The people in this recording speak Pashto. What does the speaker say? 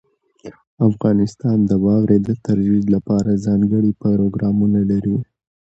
افغانستان د واورې د ترویج لپاره ځانګړي پروګرامونه لري.